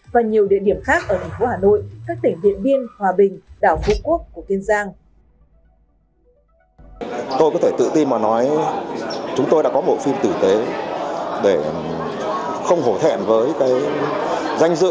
và nhiều địa điểm khác ở tp hà nội các tỉnh viện biên hòa bình đảo vũ quốc của kiên giang